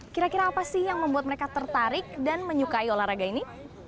kira kira apa sih yang membuat mereka tertarik dan menyukai olahraga ini